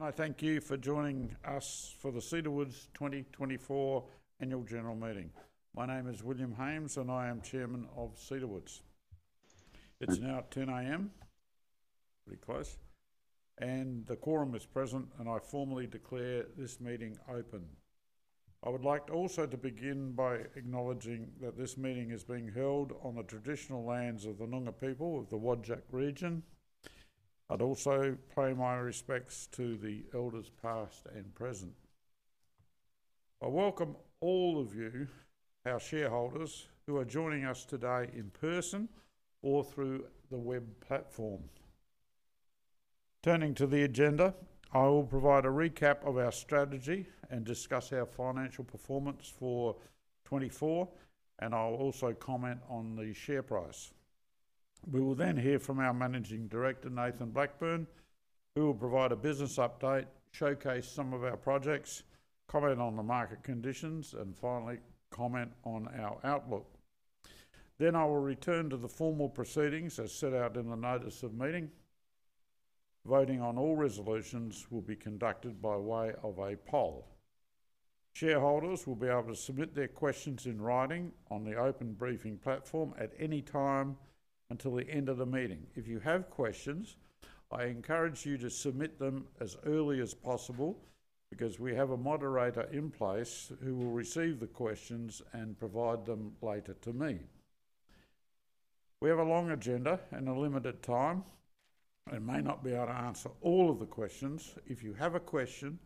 I thank you for joining us for the Cedar Woods 2024 Annual General Meeting. My name is William Hames, and I am Chairman of Cedar Woods. It's now 10:00 A.M., pretty close, and the quorum is present, and I formally declare this meeting open. I would like also to begin by acknowledging that this meeting is being held on the traditional lands of the Noongar people of the Whadjuk region. I'd also pay my respects to the elders past and present. I welcome all of you, our shareholders, who are joining us today in person or through the web platform. Turning to the agenda, I will provide a recap of our strategy and discuss our financial performance for 2024, and I'll also comment on the share price. We will then hear from our Managing Director, Nathan Blackburne, who will provide a business update, showcase some of our projects, comment on the market conditions, and finally comment on our outlook. Then I will return to the formal proceedings as set out in the notice of meeting. Voting on all resolutions will be conducted by way of a poll. Shareholders will be able to submit their questions in writing on the open briefing platform at any time until the end of the meeting. If you have questions, I encourage you to submit them as early as possible because we have a moderator in place who will receive the questions and provide them later to me. We have a long agenda and a limited time. I may not be able to answer all of the questions. If you have a question,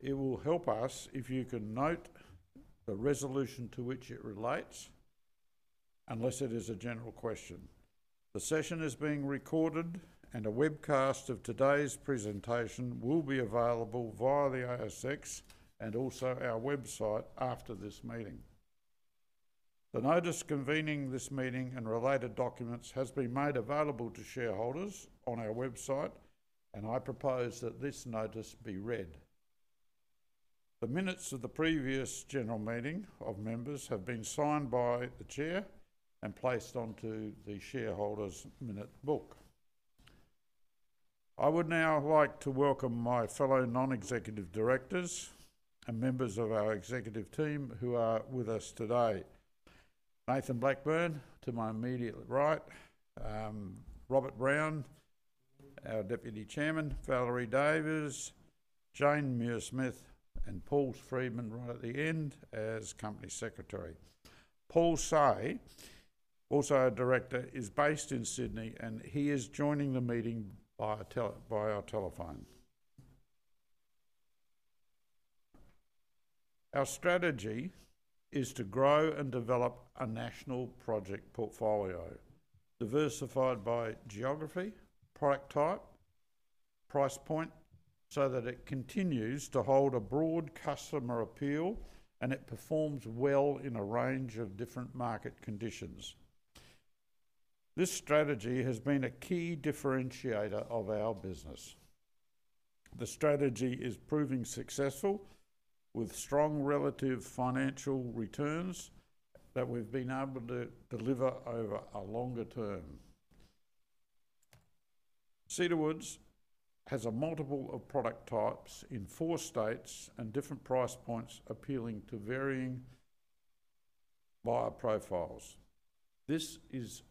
it will help us if you can note the resolution to which it relates, unless it is a general question. The session is being recorded, and a webcast of today's presentation will be available via the ASX and also our website after this meeting. The notice convening this meeting and related documents has been made available to shareholders on our website, and I propose that this notice be read. The minutes of the previous general meeting of members have been signed by the Chair and placed onto the shareholders' minute book. I would now like to welcome my fellow non-executive directors and members of our executive team who are with us today. Nathan Blackburne to my immediate right, Robert Brown, our Deputy Chairman, Valerie Davies, Jane Muirsmith, and Paul Freedman right at the end as Company Secretary. Paul Say, also a director, is based in Sydney, and he is joining the meeting via telephone. Our strategy is to grow and develop a national project portfolio diversified by geography, product type, price point, so that it continues to hold a broad customer appeal and it performs well in a range of different market conditions. This strategy has been a key differentiator of our business. The strategy is proving successful with strong relative financial returns that we've been able to deliver over a longer term. Cedar Woods has a multiple of product types in four states and different price points appealing to varying buyer profiles. This is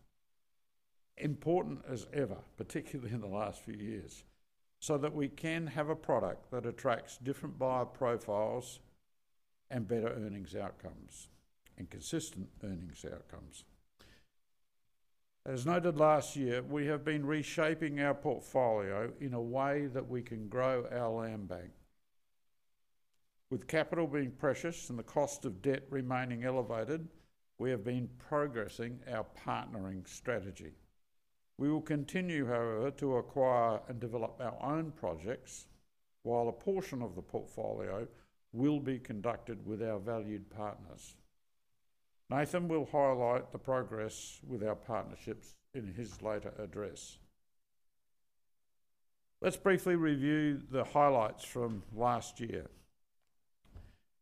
important as ever, particularly in the last few years, so that we can have a product that attracts different buyer profiles and better earnings outcomes and consistent earnings outcomes. As noted last year, we have been reshaping our portfolio in a way that we can grow our land bank. With capital being precious and the cost of debt remaining elevated, we have been progressing our partnering strategy. We will continue, however, to acquire and develop our own projects, while a portion of the portfolio will be conducted with our valued partners. Nathan will highlight the progress with our partnerships in his later address. Let's briefly review the highlights from last year.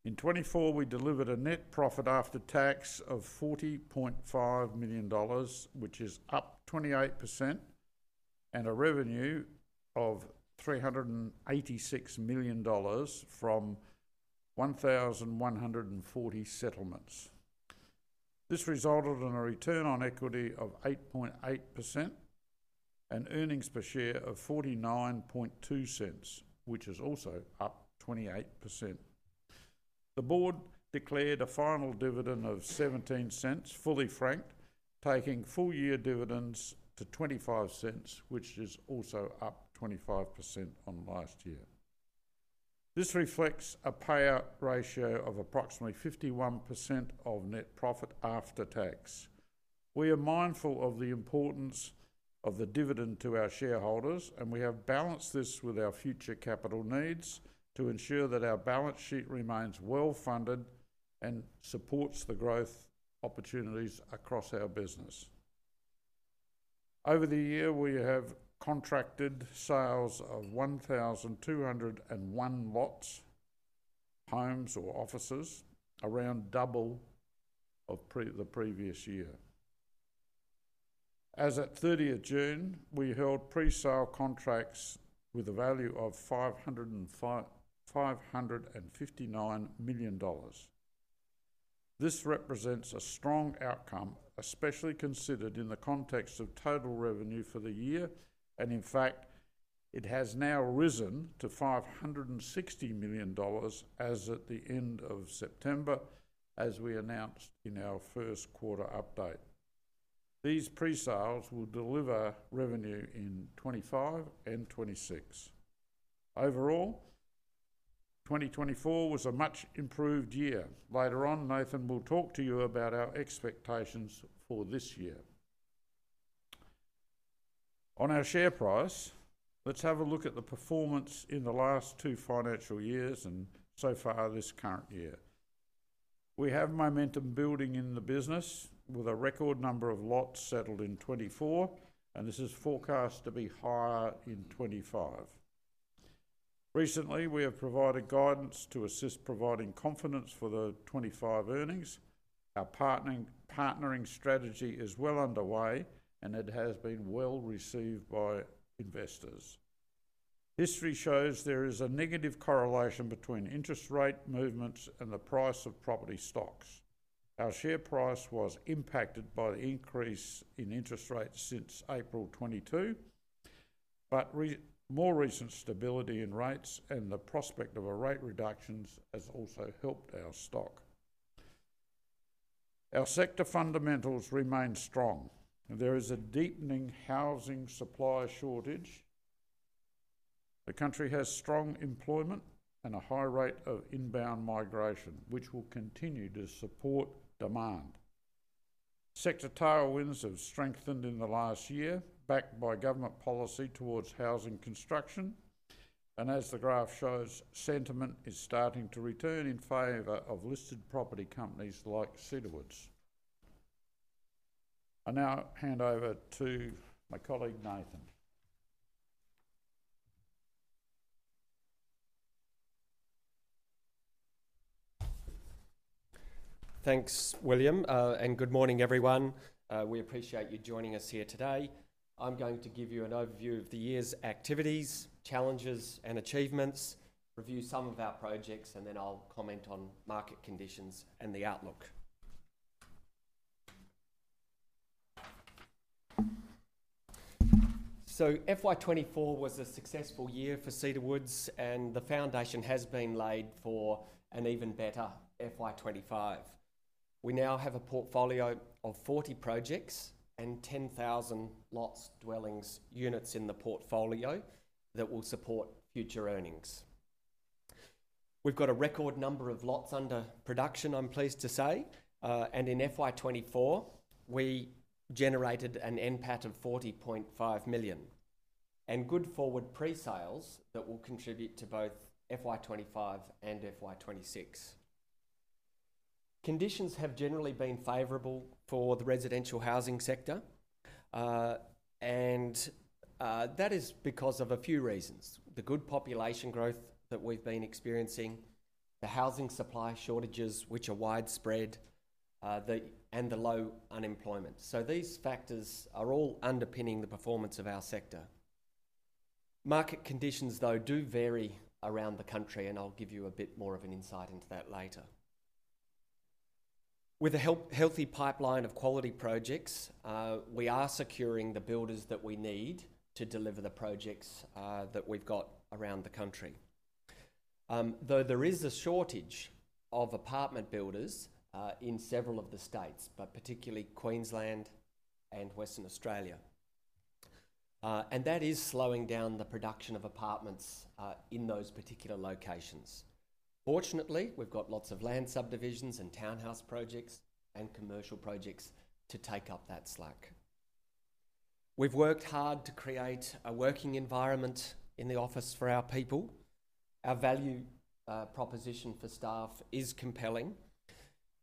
In 2024, we delivered a net profit after tax of 40.5 million dollars, which is up 28%, and a revenue of 386 million dollars from 1,140 settlements. This resulted in a return on equity of 8.8% and earnings per share of 0.492, which is also up 28%. The board declared a final dividend of 0.17, fully franked, taking full-year dividends to 0.25, which is also up 25% on last year. This reflects a payout ratio of approximately 51% of net profit after tax. We are mindful of the importance of the dividend to our shareholders, and we have balanced this with our future capital needs to ensure that our balance sheet remains well funded and supports the growth opportunities across our business. Over the year, we have contracted sales of 1,201 lots, homes or offices, around double the previous year. As of 30 June, we held pre-sale contracts with a value of 559 million dollars. This represents a strong outcome, especially considered in the context of total revenue for the year, and in fact, it has now risen to 560 million dollars as at the end of September, as we announced in our first quarter update. These pre-sales will deliver revenue in 2025 and 2026. Overall, 2024 was a much improved year. Later on, Nathan will talk to you about our expectations for this year. On our share price, let's have a look at the performance in the last two financial years and so far this current year. We have momentum building in the business with a record number of lots settled in 2024, and this is forecast to be higher in 2025. Recently, we have provided guidance to assist providing confidence for the 2025 earnings. Our partnering strategy is well underway, and it has been well received by investors. History shows there is a negative correlation between interest rate movements and the price of property stocks. Our share price was impacted by the increase in interest rates since April 2022, but more recent stability in rates and the prospect of rate reductions has also helped our stock. Our sector fundamentals remain strong. There is a deepening housing supply shortage. The country has strong employment and a high rate of inbound migration, which will continue to support demand. Sector tailwinds have strengthened in the last year, backed by government policy towards housing construction, and as the graph shows, sentiment is starting to return in favor of listed property companies like Cedar Woods. I now hand over to my colleague, Nathan. Thanks, William, and good morning, everyone. We appreciate you joining us here today. I'm going to give you an overview of the year's activities, challenges, and achievements, review some of our projects, and then I'll comment on market conditions and the outlook. So FY24 was a successful year for Cedar Woods, and the foundation has been laid for an even better FY 2025. We now have a portfolio of 40 projects and 10,000 lots, dwellings, units in the portfolio that will support future earnings. We've got a record number of lots under production, I'm pleased to say, and in FY24, we generated an NPAT of 40.5 million and good forward pre-sales that will contribute to both FY 2025 and FY 2026. Conditions have generally been favorable for the residential housing sector, and that is because of a few reasons: the good population growth that we've been experiencing, the housing supply shortages, which are widespread, and the low unemployment. So these factors are all underpinning the performance of our sector. Market conditions, though, do vary around the country, and I'll give you a bit more of an insight into that later. With a healthy pipeline of quality projects, we are securing the builders that we need to deliver the projects that we've got around the country, though there is a shortage of apartment builders in several of the states, but particularly Queensland and Western Australia, and that is slowing down the production of apartments in those particular locations. Fortunately, we've got lots of land subdivisions and townhouse projects and commercial projects to take up that slack. We've worked hard to create a working environment in the office for our people. Our value proposition for staff is compelling,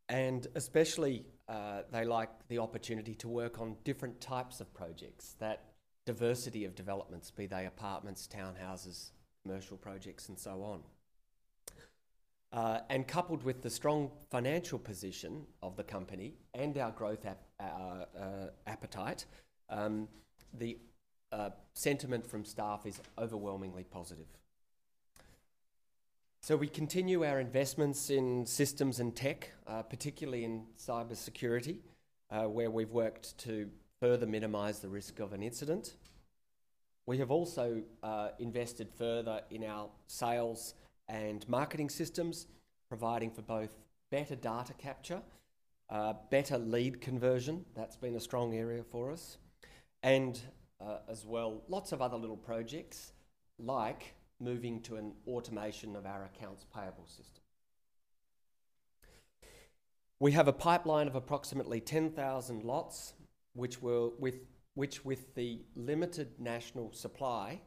and especially they like the opportunity to work on different types of projects, that diversity of developments, be they apartments, townhouses, commercial projects, and so on, and coupled with the strong financial position of the company and our growth appetite, the sentiment from staff is overwhelmingly positive, so we continue our investments in systems and tech, particularly in cybersecurity, where we've worked to further minimize the risk of an incident. We have also invested further in our sales and marketing systems, providing for both better data capture, better lead conversion, that's been a strong area for us, and as well, lots of other little projects like moving to an automation of our accounts payable system. We have a pipeline of approximately 10,000 lots, which with the limited national supply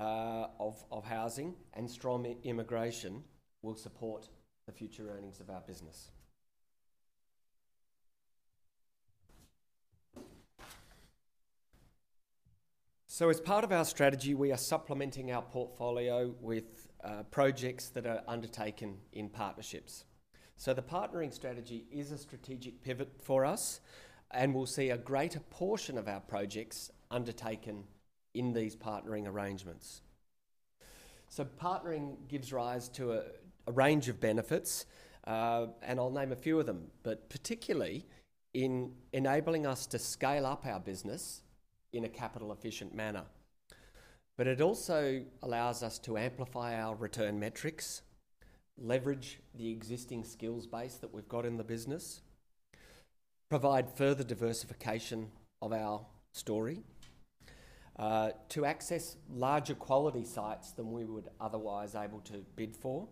of housing and strong immigration will support the future earnings of our business. So as part of our strategy, we are supplementing our portfolio with projects that are undertaken in partnerships. So the partnering strategy is a strategic pivot for us, and we'll see a greater portion of our projects undertaken in these partnering arrangements. So partnering gives rise to a range of benefits, and I'll name a few of them, but particularly in enabling us to scale up our business in a capital-efficient manner. But it also allows us to amplify our return metrics, leverage the existing skills base that we've got in the business, provide further diversification of our story, to access larger quality sites than we would otherwise be able to bid for,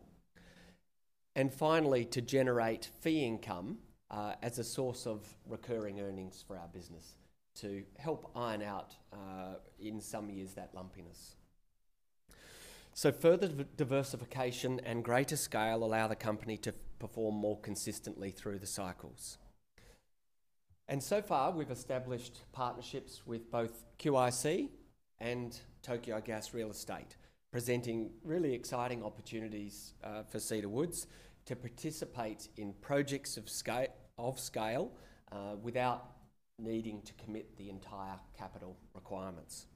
and finally, to generate fee income as a source of recurring earnings for our business to help iron out in some years that lumpiness. So further diversification and greater scale allow the company to perform more consistently through the cycles. And so far, we've established partnerships with both QIC and Tokyo Gas Real Estate, presenting really exciting opportunities for Cedar Woods to participate in projects of scale without needing to commit the entire capital requirements.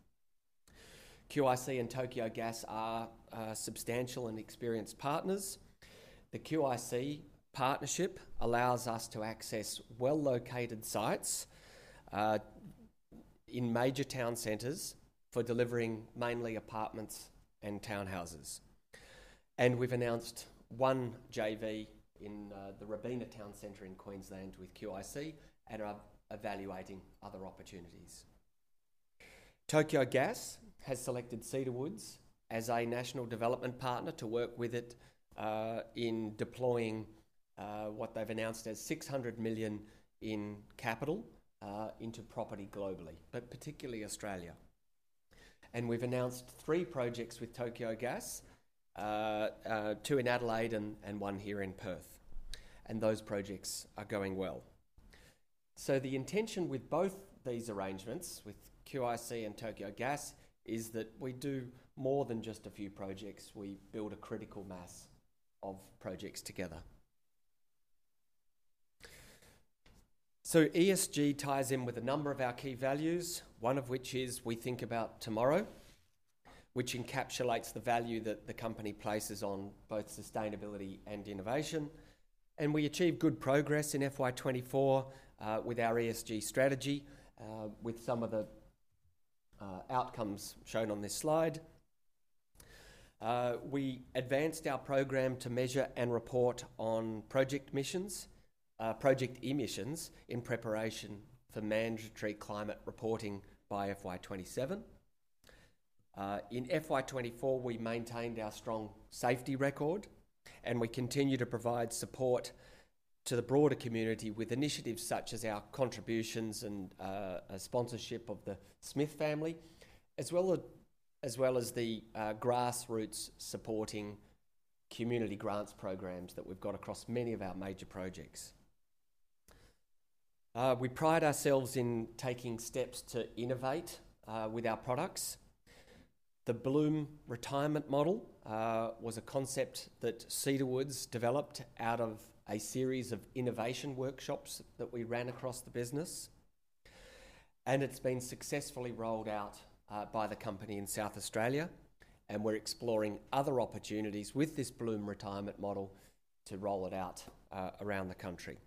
QIC and Tokyo Gas are substantial and experienced partners. The QIC partnership allows us to access well-located sites in major town centers for delivering mainly apartments and townhouses. We've announced one JV in the Robina Town Centre in Queensland with QIC and are evaluating other opportunities. Tokyo Gas has selected Cedar Woods as a national development partner to work with it in deploying what they've announced as 600 million in capital into property globally, but particularly Australia. And we've announced three projects with Tokyo Gas, two in Adelaide and one here in Perth, and those projects are going well. So the intention with both these arrangements, with QIC and Tokyo Gas, is that we do more than just a few projects. We build a critical mass of projects together. So ESG ties in with a number of our key values, one of which is we think about tomorrow, which encapsulates the value that the company places on both sustainability and innovation. And we achieve good progress in FY24 with our ESG strategy, with some of the outcomes shown on this slide. We advanced our program to measure and report on project emissions in preparation for mandatory climate reporting by FY27. In FY24, we maintained our strong safety record, and we continue to provide support to the broader community with initiatives such as our contributions and sponsorship of the Smith family, as well as the grassroots supporting community grants programs that we've got across many of our major projects. We pride ourselves in taking steps to innovate with our products. The Bloom Retirement Model was a concept that Cedar Woods developed out of a series of innovation workshops that we ran across the business, and it's been successfully rolled out by the company in South Australia, and we're exploring other opportunities with this Bloom Retirement Model to roll it out around the country,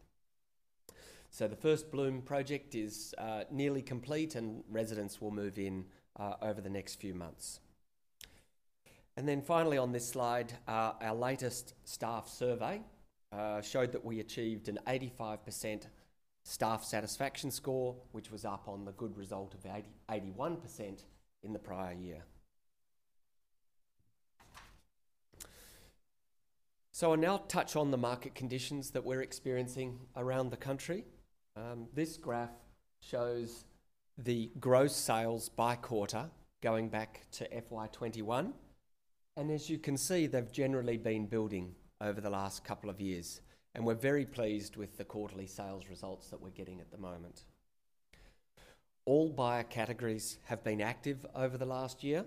so the first Bloom project is nearly complete, and residents will move in over the next few months, and then finally, on this slide, our latest staff survey showed that we achieved an 85% staff satisfaction score, which was up on the good result of 81% in the prior year, so I'll now touch on the market conditions that we're experiencing around the country. This graph shows the gross sales by quarter going back to FY21, and as you can see, they've generally been building over the last couple of years, and we're very pleased with the quarterly sales results that we're getting at the moment. All buyer categories have been active over the last year,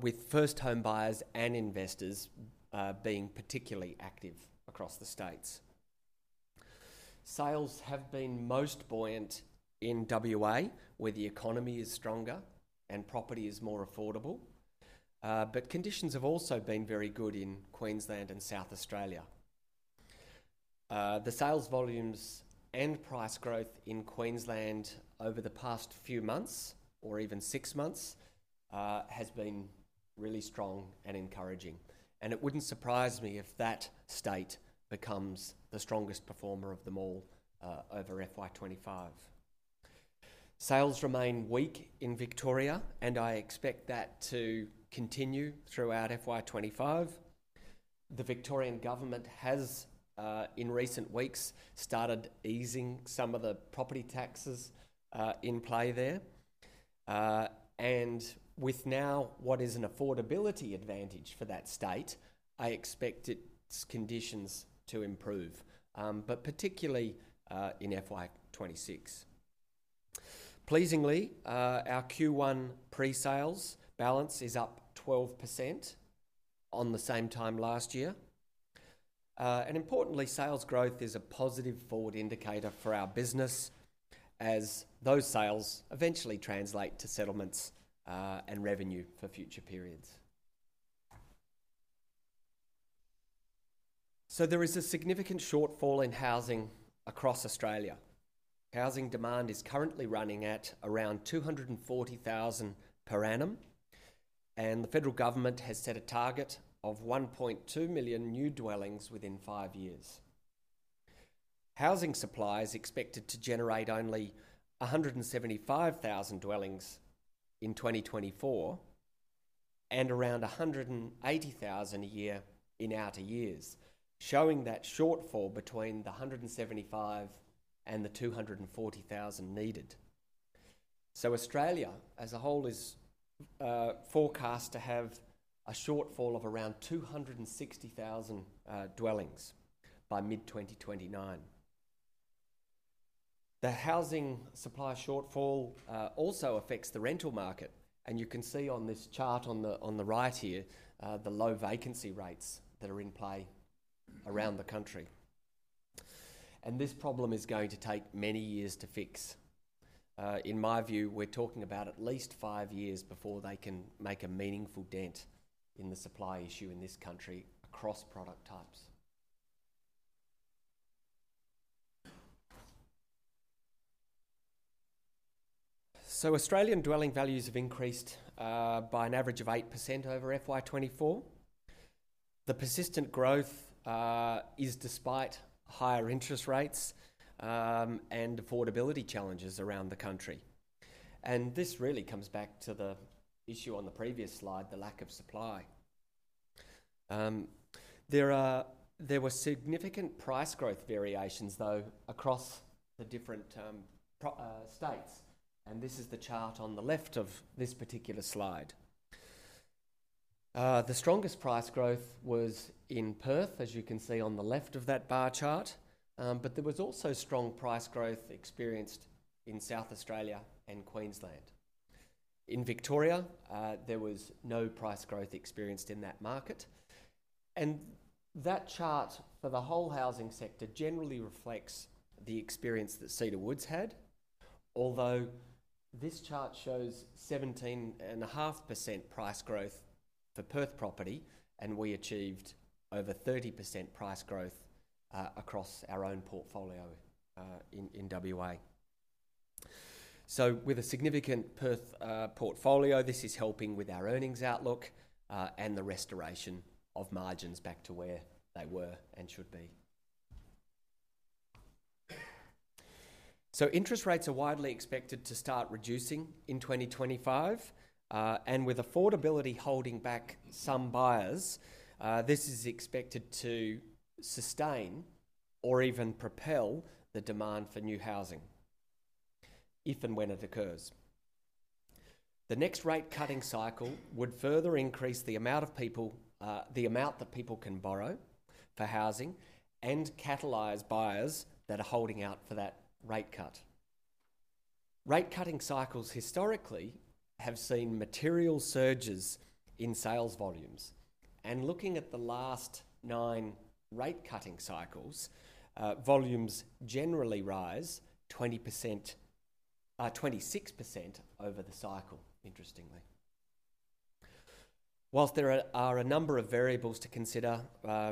with first home buyers and investors being particularly active across the states. Sales have been most buoyant in WA, where the economy is stronger and property is more affordable, but conditions have also been very good in Queensland and South Australia. The sales volumes and price growth in Queensland over the past few months, or even six months, has been really strong and encouraging, and it wouldn't surprise me if that state becomes the strongest performer of them all over FY 2025. Sales remain weak in Victoria, and I expect that to continue throughout FY 2025. The Victorian government has, in recent weeks, started easing some of the property taxes in play there, and with now what is an affordability advantage for that state, I expect its conditions to improve, but particularly in FY 2026. Pleasingly, our Q1 pre-sales balance is up 12% on the same time last year, and importantly, sales growth is a positive forward indicator for our business, as those sales eventually translate to settlements and revenue for future periods. So there is a significant shortfall in housing across Australia. Housing demand is currently running at around 240,000 per annum, and the federal government has set a target of 1.2 million new dwellings within five years. Housing supply is expected to generate only 175,000 dwellings in 2024 and around 180,000 a year in outer years, showing that shortfall between the 175,000 and the 240,000 needed. So Australia, as a whole, is forecast to have a shortfall of around 260,000 dwellings by mid-2029. The housing supply shortfall also affects the rental market, and you can see on this chart on the right here the low vacancy rates that are in play around the country, and this problem is going to take many years to fix. In my view, we're talking about at least five years before they can make a meaningful dent in the supply issue in this country across product types. So Australian dwelling values have increased by an average of 8% over FY24. The persistent growth is despite higher interest rates and affordability challenges around the country, and this really comes back to the issue on the previous slide, the lack of supply. There were significant price growth variations, though, across the different states, and this is the chart on the left of this particular slide. The strongest price growth was in Perth, as you can see on the left of that bar chart, but there was also strong price growth experienced in South Australia and Queensland. In Victoria, there was no price growth experienced in that market, and that chart for the whole housing sector generally reflects the experience that Cedar Woods had, although this chart shows 17.5% price growth for Perth property, and we achieved over 30% price growth across our own portfolio in WA. So with a significant Perth portfolio, this is helping with our earnings outlook and the restoration of margins back to where they were and should be. So interest rates are widely expected to start reducing in 2025, and with affordability holding back some buyers, this is expected to sustain or even propel the demand for new housing if and when it occurs. The next rate-cutting cycle would further increase the amount of people, the amount that people can borrow for housing, and catalyze buyers that are holding out for that rate cut. Rate-cutting cycles historically have seen material surges in sales volumes, and looking at the last nine rate-cutting cycles, volumes generally rise 26% over the cycle, interestingly. While there are a number of variables to consider,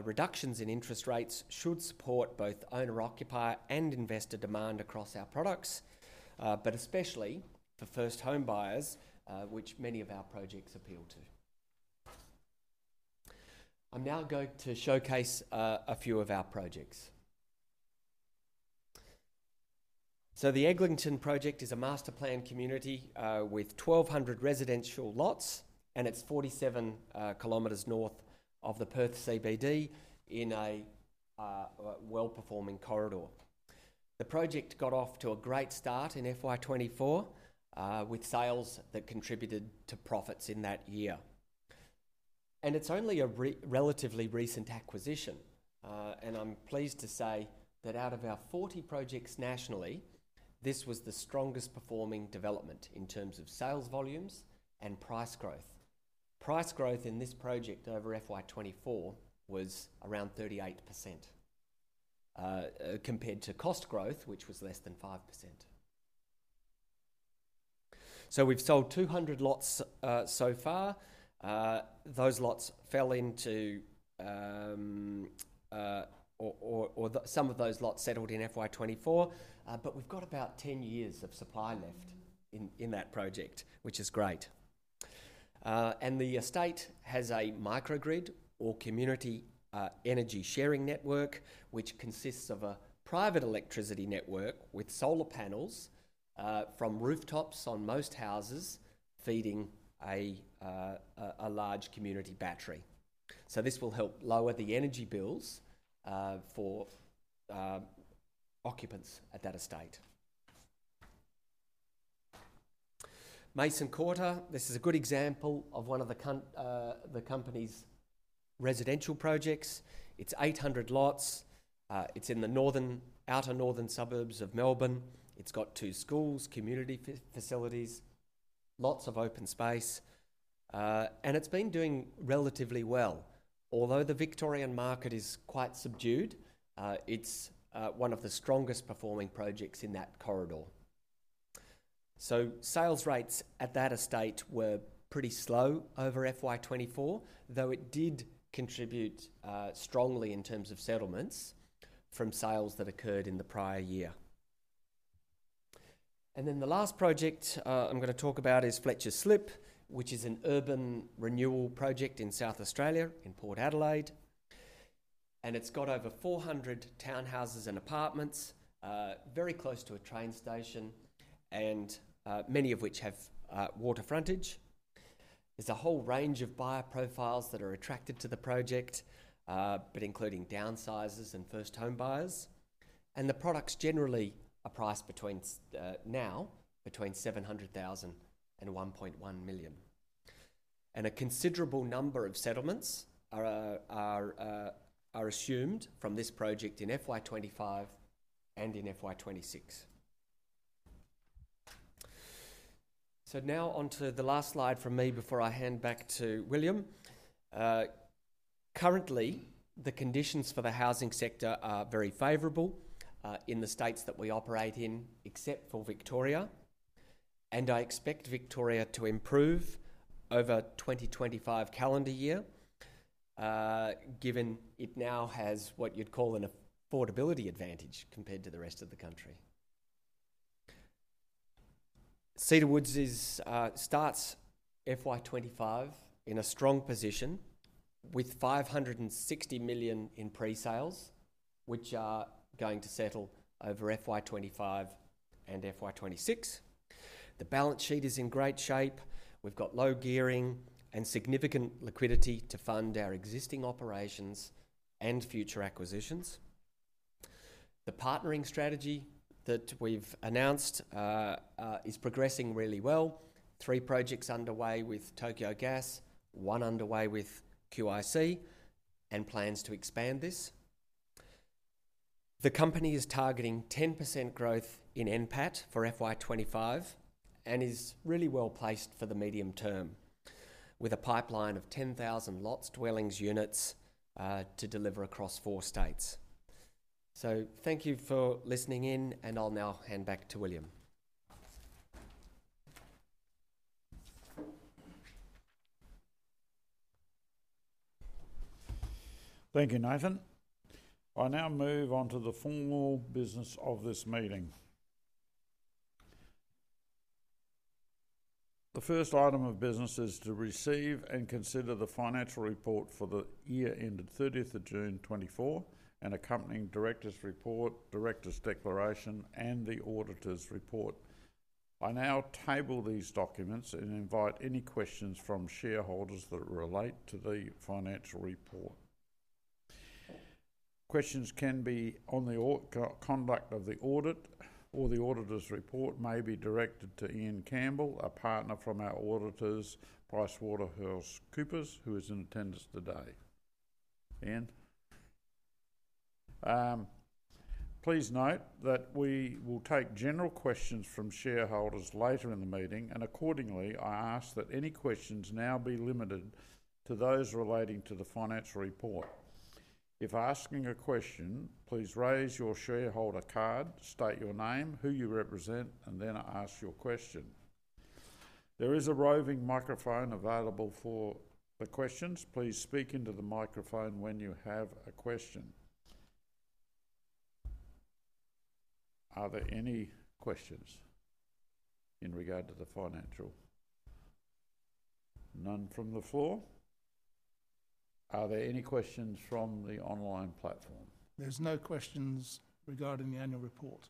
reductions in interest rates should support both owner-occupier and investor demand across our products, but especially for first home buyers, which many of our projects appeal to. I'm now going to showcase a few of our projects. So the Eglinton Project is a master planned community with 1,200 residential lots, and it's 47 kilometers north of the Perth CBD in a well-performing corridor. The project got off to a great start in FY24 with sales that contributed to profits in that year, and it's only a relatively recent acquisition, and I'm pleased to say that out of our 40 projects nationally, this was the strongest performing development in terms of sales volumes and price growth. Price growth in this project over FY24 was around 38% compared to cost growth, which was less than 5%. So we've sold 200 lots so far. Those lots fell into, or some of those lots settled in FY24, but we've got about 10 years of supply left in that project, which is great. The estate has a microgrid or community energy sharing network, which consists of a private electricity network with solar panels from rooftops on most houses feeding a large community battery. This will help lower the energy bills for occupants at that estate. Mason Quarter, this is a good example of one of the company's residential projects. It's 800 lots. It's in the outer northern suburbs of Melbourne. It's got two schools, community facilities, lots of open space, and it's been doing relatively well. Although the Victorian market is quite subdued, it's one of the strongest performing projects in that corridor. Sales rates at that estate were pretty slow over FY24, though it did contribute strongly in terms of settlements from sales that occurred in the prior year. And then the last project I'm going to talk about is Fletcher's Slip, which is an urban renewal project in South Australia, in Port Adelaide, and it's got over 400 townhouses and apartments, very close to a train station, and many of which have water frontage. There's a whole range of buyer profiles that are attracted to the project, but including downsizers and first home buyers, and the products generally are priced now between 700,000 and 1.1 million. And a considerable number of settlements are assumed from this project in FY 2025 and in FY 2026. So now onto the last slide from me before I hand back to William. Currently, the conditions for the housing sector are very favorable in the states that we operate in, except for Victoria, and I expect Victoria to improve over 2025 calendar year, given it now has what you'd call an affordability advantage compared to the rest of the country. Cedar Woods starts FY 2025 in a strong position with 560 million in pre-sales, which are going to settle over FY 2025 and FY 2026. The balance sheet is in great shape. We've got low gearing and significant liquidity to fund our existing operations and future acquisitions. The partnering strategy that we've announced is progressing really well. Three projects underway with Tokyo Gas, one underway with QIC, and plans to expand this. The company is targeting 10% growth in NPAT for FY 2025 and is really well placed for the medium term, with a pipeline of 10,000 lots, dwellings, units to deliver across four states. So thank you for listening in, and I'll now hand back to William. Thank you, Nathan. I'll now move on to the formal business of this meeting. The first item of business is to receive and consider the financial report for the year ended 30th of June 2024 and accompanying director's report, director's declaration, and the auditor's report. I now table these documents and invite any questions from shareholders that relate to the financial report. Questions can be on the conduct of the audit or the auditor's report, may be directed to Ian Campbell, a partner from our auditors, PricewaterhouseCoopers, who is in attendance today. Ian, please note that we will take general questions from shareholders later in the meeting, and accordingly, I ask that any questions now be limited to those relating to the financial report. If asking a question, please raise your shareholder card, state your name, who you represent, and then ask your question. There is a roving microphone available for the questions. Please speak into the microphone when you have a question. Are there any questions in regard to the financial? None from the floor. Are there any questions from the online platform? There's no questions regarding the annual report.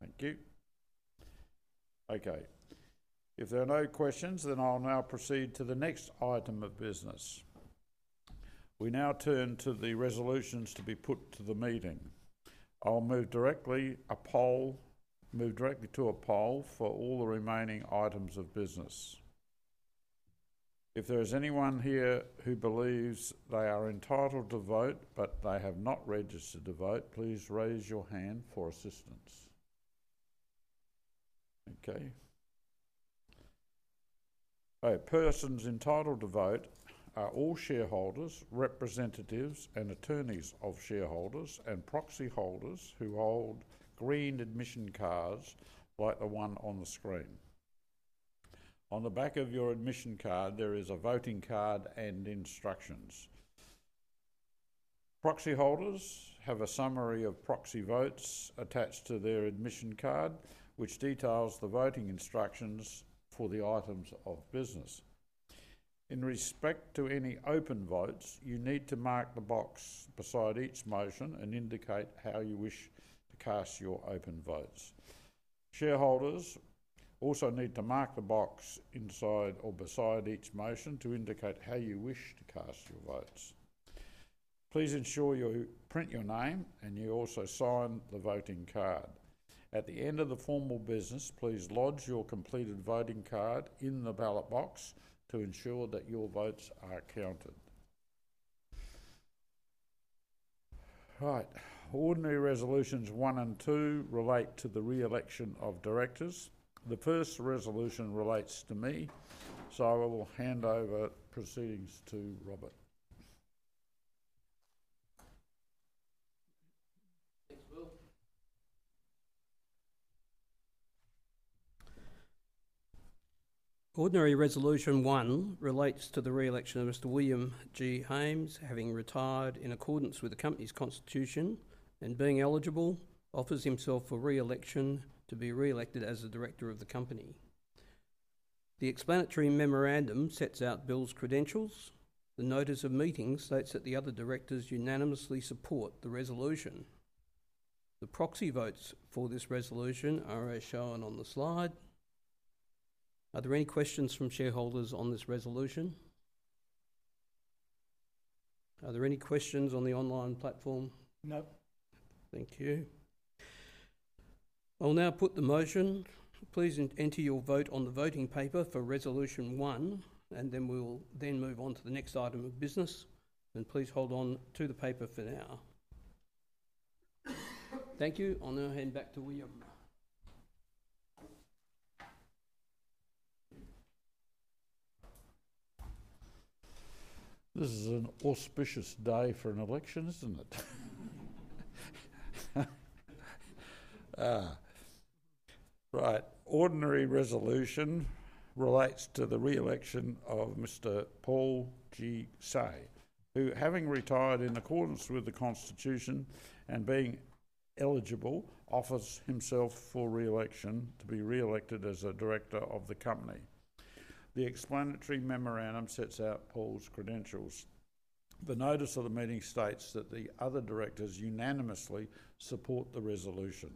Thank you. Okay. If there are no questions, then I'll now proceed to the next item of business. We now turn to the resolutions to be put to the meeting. I'll move directly to a poll for all the remaining items of business. If there is anyone here who believes they are entitled to vote but they have not registered to vote, please raise your hand for assistance. Okay. Persons entitled to vote are all shareholders, representatives, and attorneys of shareholders and proxy holders who hold green admission cards like the one on the screen. On the back of your admission card, there is a voting card and instructions. Proxy holders have a summary of proxy votes attached to their admission card, which details the voting instructions for the items of business. In respect to any open votes, you need to mark the box beside each motion and indicate how you wish to cast your open votes. Shareholders also need to mark the box inside or beside each motion to indicate how you wish to cast your votes. Please ensure you print your name and you also sign the voting card. At the end of the formal business, please lodge your completed voting card in the ballot box to ensure that your votes are counted. All right. Ordinary resolutions one and two relate to the re-election of directors. The first resolution relates to me, so I will hand over proceedings to Robert. Thanks, Will. Ordinary resolution one relates to the re-election of Mr. William G. Hames, having retired in accordance with the company's constitution and being eligible, offers himself for re-election to be re-elected as the director of the company. The explanatory memorandum sets out Bill's credentials. The notice of meeting states that the other directors unanimously support the resolution. The proxy votes for this resolution are as shown on the slide. Are there any questions from shareholders on this resolution? Are there any questions on the online platform? No. Thank you. I'll now put the motion. Please enter your vote on the voting paper for resolution one, and then we'll move on to the next item of business. Please hold on to the paper for now. Thank you. I'll now hand back to William. This is an auspicious day for an election, isn't it? Right. Ordinary resolution relates to the re-election of Mr. Paul G. Say, who, having retired in accordance with the constitution and being eligible, offers himself for re-election to be re-elected as a director of the company. The explanatory memorandum sets out Paul's credentials. The notice of the meeting states that the other directors unanimously support the resolution.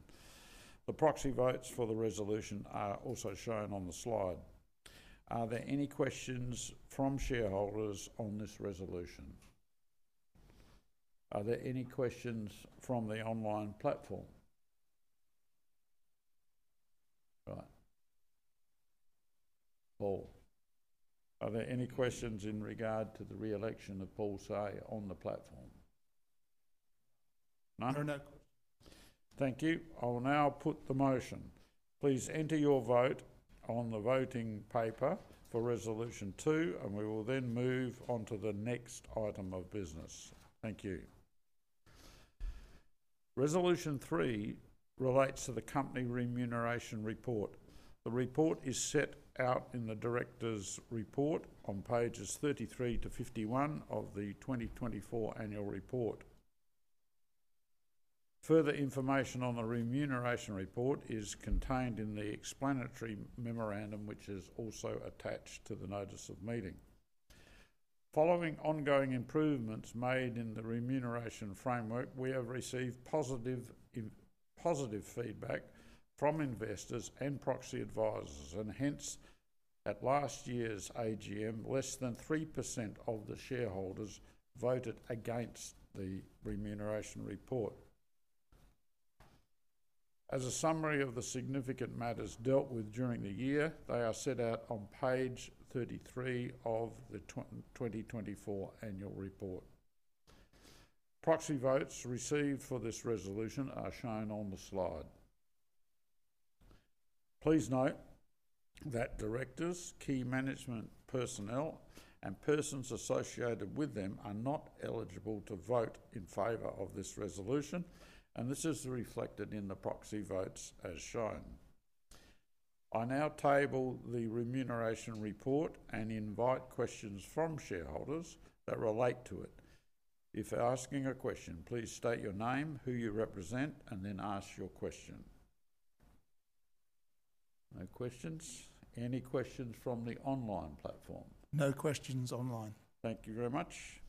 The proxy votes for the resolution are also shown on the slide. Are there any questions from shareholders on this resolution? Are there any questions from the online platform? Right. Paul, are there any questions in regard to the re-election of Paul Say on the platform? None? No. Thank you. I'll now put the motion. Please enter your vote on the voting paper for resolution two, and we will then move on to the next item of business. Thank you. Resolution three relates to the company remuneration report. The report is set out in the director's report on pages 33-51 of the 2024 annual report. Further information on the remuneration report is contained in the explanatory memorandum, which is also attached to the notice of meeting. Following ongoing improvements made in the remuneration framework, we have received positive feedback from investors and proxy advisors, and hence, at last year's AGM, less than 3% of the shareholders voted against the remuneration report. As a summary of the significant matters dealt with during the year, they are set out on page 33 of the 2024 annual report. Proxy votes received for this resolution are shown on the slide. Please note that directors, key management personnel, and persons associated with them are not eligible to vote in favor of this resolution, and this is reflected in the proxy votes as shown. I now table the remuneration report and invite questions from shareholders that relate to it. If asking a question, please state your name, who you represent, and then ask your question. No questions? Any questions from the online platform? No questions online. Thank you very much.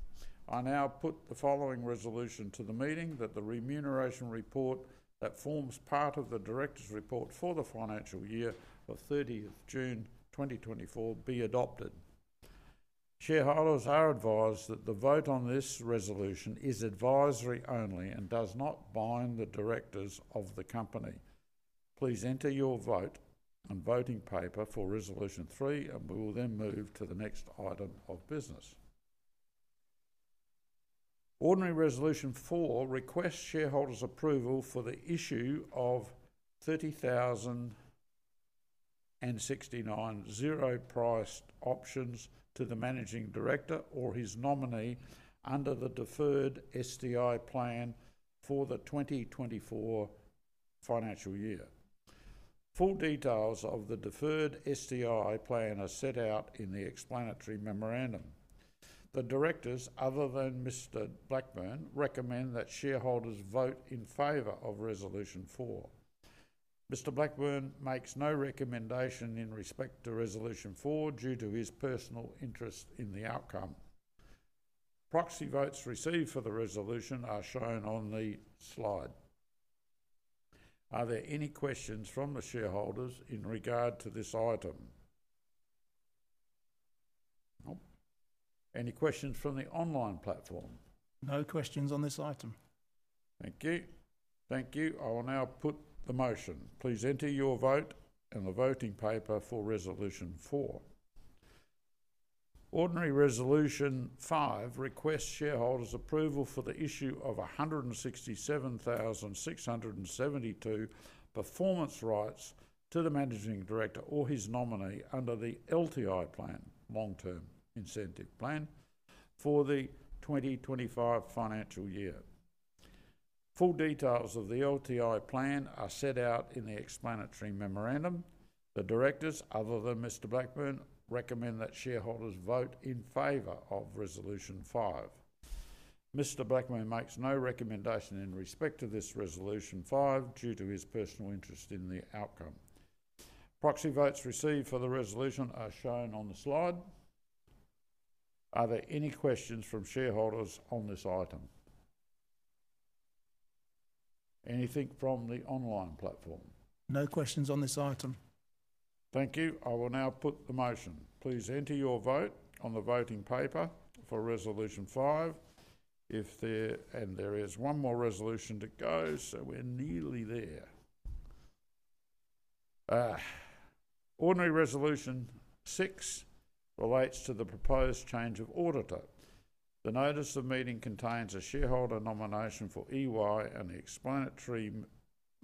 I now put the following resolution to the meeting that the remuneration report that forms part of the director's report for the financial year of 30th June 2024 be adopted. Shareholders are advised that the vote on this resolution is advisory only and does not bind the directors of the company. Please enter your vote on voting paper for resolution three, and we will then move to the next item of business. Ordinary resolution four requests shareholders' approval for the issue of 30,069 zero-priced options to the Managing Director or his nominee under the deferred STI plan for the 2024 financial year. Full details of the deferred STI plan are set out in the explanatory memorandum. The directors, other than Mr. Blackburne, recommend that shareholders vote in favor of resolution four. Mr Blackburn makes no recommendation in respect to resolution four due to his personal interest in the outcome. Proxy votes received for the resolution are shown on the slide. Are there any questions from the shareholders in regard to this item? Any questions from the online platform? No questions on this item. Thank you. Thank you. I will now put the motion. Please enter your vote on the voting paper for resolution four. Ordinary resolution five requests shareholders' approval for the issue of 167,672 performance rights to the Managing Director or his nominee under the LTI plan, long-term incentive plan, for the 2025 financial year. Full details of the LTI plan are set out in the explanatory memorandum. The directors, other than Mr. Blackburn, recommend that shareholders vote in favor of resolution five. Mr. Blackburn makes no recommendation in respect to this resolution five due to his personal interest in the outcome. Proxy votes received for the resolution are shown on the slide. Are there any questions from shareholders on this item? Anything from the online platform? No questions on this item. Thank you. I will now put the motion. Please enter your vote on the voting paper for resolution five. If there is one more resolution to go, so we're nearly there. Ordinary resolution six relates to the proposed change of auditor. The notice of meeting contains a shareholder nomination for EY, and the explanatory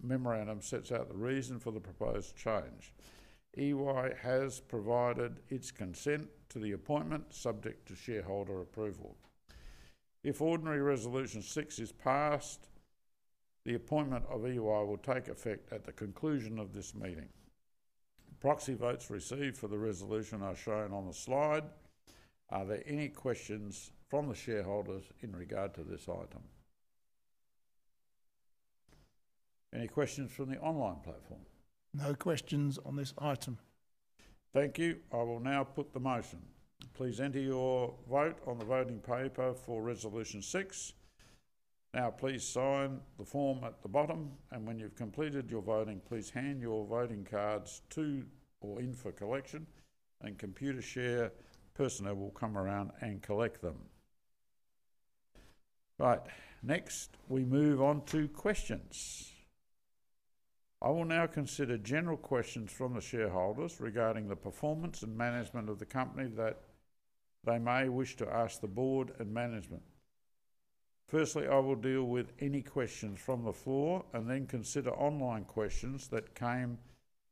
memorandum sets out the reason for the proposed change. EY has provided its consent to the appointment, subject to shareholder approval. If ordinary resolution six is passed, the appointment of EY will take effect at the conclusion of this meeting. Proxy votes received for the resolution are shown on the slide. Are there any questions from the shareholders in regard to this item? Any questions from the online platform? No questions on this item. Thank you. I will now put the motion. Please enter your vote on the voting paper for resolution six. Now, please sign the form at the bottom, and when you've completed your voting, please hand your voting cards to or in for collection, and Computershare personnel will come around and collect them. Right. Next, we move on to questions. I will now consider general questions from the shareholders regarding the performance and management of the company that they may wish to ask the board and management. Firstly, I will deal with any questions from the floor and then consider online questions that came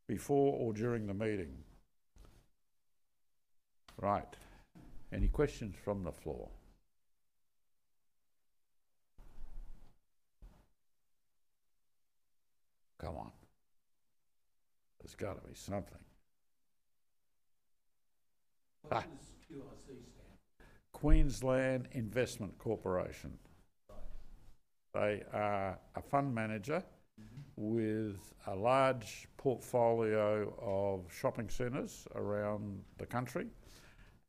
before or during the meeting. Right. Any questions from the floor? Come on. There's got to be something. What is QIC stand for? Queensland Investment Corporation. Right. They are a fund manager with a large portfolio of shopping centers around the country,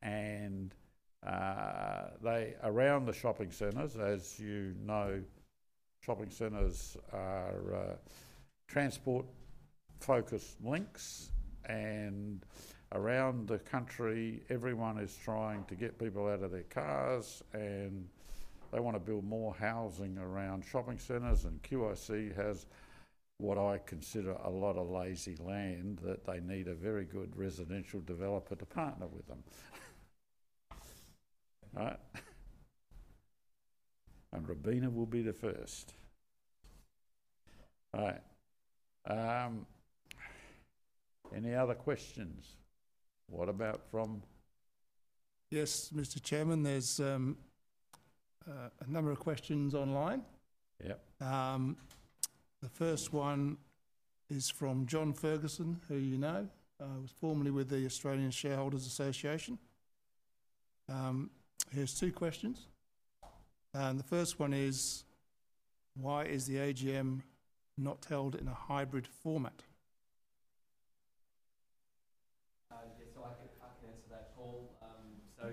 and around the shopping centers, as you know, shopping centers are transport-focused links, and around the country, everyone is trying to get people out of their cars, and they want to build more housing around shopping centers, and QIC has what I consider a lot of lazy land that they need a very good residential developer to partner with them. All right. And Robina will be the first. All right. Any other questions? What about from? Yes, Mr. Chairman, there's a number of questions online. The first one is from John Ferguson, who you know. He was formerly with the Australian Shareholders' Association. He has two questions, and the first one is, why is the AGM not held in a hybrid format? Yeah, so I can answer that, Paul. So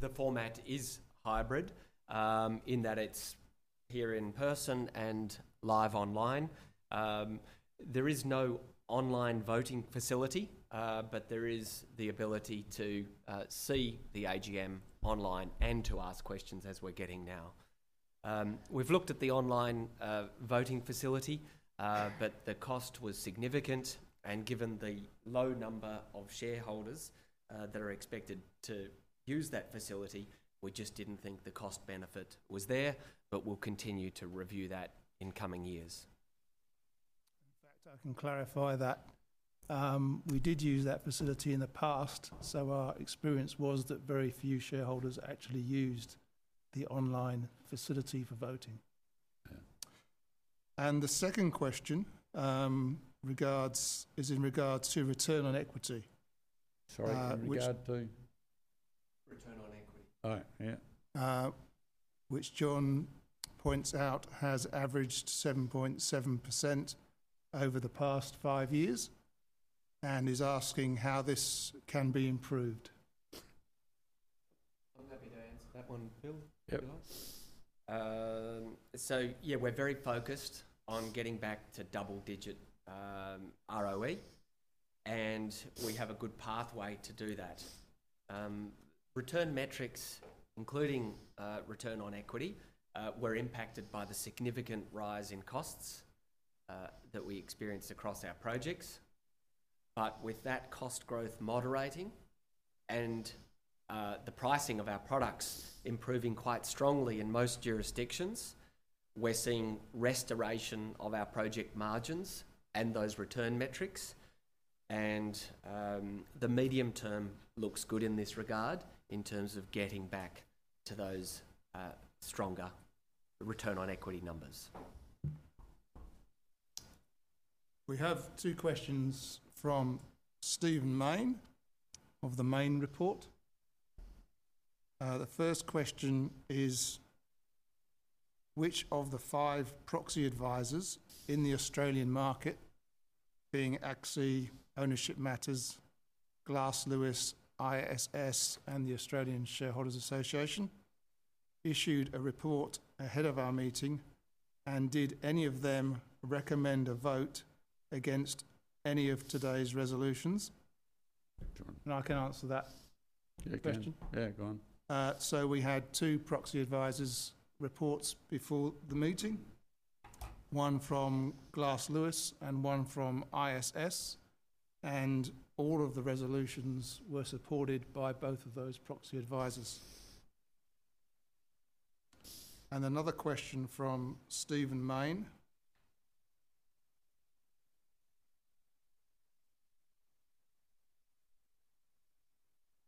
the format is hybrid in that it's here in person and live online. There is no online voting facility, but there is the ability to see the AGM online and to ask questions as we're getting now. We've looked at the online voting facility, but the cost was significant, and given the low number of shareholders that are expected to use that facility, we just didn't think the cost benefit was there, but we'll continue to review that in coming years. In fact, I can clarify that we did use that facility in the past, so our experience was that very few shareholders actually used the online facility for voting. And the second question is in regards to return on equity. Sorry, in regard to? Return on Equity. All right, yeah. Which John points out has averaged 7.7% over the past five years and is asking how this can be improved. I'm happy to answer that one, Bill. So, yeah, we're very focused on getting back to double-digit ROE, and we have a good pathway to do that. Return metrics, including return on equity, were impacted by the significant rise in costs that we experienced across our projects. But with that cost growth moderating and the pricing of our products improving quite strongly in most jurisdictions, we're seeing restoration of our project margins and those return metrics, and the medium term looks good in this regard in terms of getting back to those stronger return on equity numbers. We have two questions from Stephen Mayne of The Mayne Report. The first question is, which of the five proxy advisors in the Australian market, being ACSI, Ownership Matters, Glass Lewis, ISS, and the Australian Shareholders' Association, issued a report ahead of our meeting, and did any of them recommend a vote against any of today's resolutions? And I can answer that question. Yeah, go on. We had two proxy advisors' reports before the meeting, one from Glass Lewis and one from ISS, and all of the resolutions were supported by both of those proxy advisors. Another question from Stephen Mayne.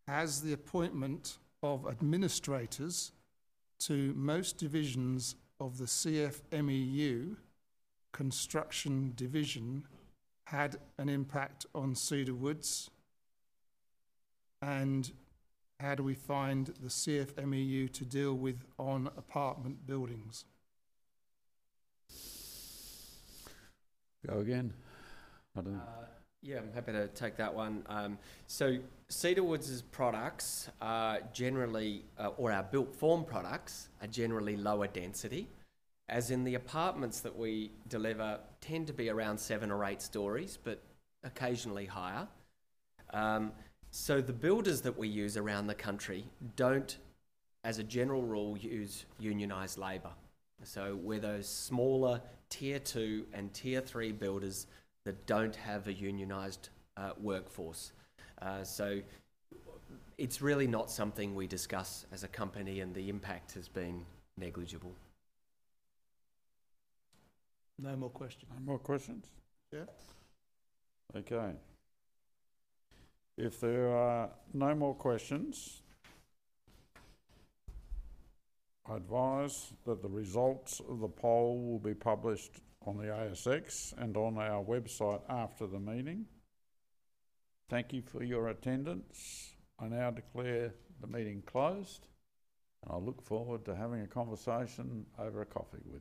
Has the appointment of administrators to most divisions of the CFMEU construction division had an impact on Cedar Woods? How do we find the CFMEU to deal with on apartment buildings? Go again. Yeah, I'm happy to take that one. So Cedar Woods' products generally, or our built form products, are generally lower density, as in the apartments that we deliver tend to be around seven or eight stories, but occasionally higher. So the builders that we use around the country don't, as a general rule, use unionized labor. So we're those smaller tier two and tier three builders that don't have a unionized workforce. So it's really not something we discuss as a company, and the impact has been negligible. No more questions. No more questions? Yeah? Okay. If there are no more questions, I advise that the results of the poll will be published on the ASX and on our website after the meeting. Thank you for your attendance. I now declare the meeting closed, and I look forward to having a conversation over a coffee with.